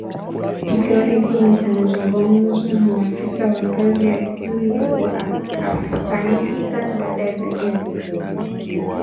Kikao hiki ni cha mazungumzo na maafisa wa ngazi ya juu wa Afghanistan, baada ya zaidi ya miezi mitatu, mjini Doha, Qatar